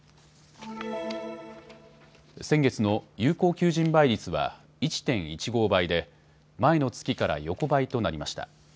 先月の有効求人倍率は１．１５倍で前の月から横ばいとなりました。